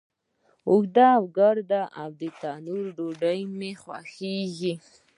اوږده، ګرده، او تنوری ډوډۍ می خوښیږی